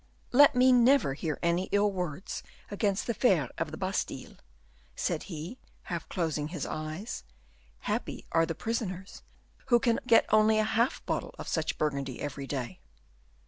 "Let me never hear any ill words against the fare of the Bastile," said he, half closing his eyes; "happy are the prisoners who can get only half a bottle of such Burgundy every day."